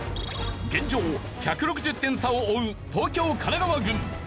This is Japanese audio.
現状１６０点差を追う東京・神奈川軍。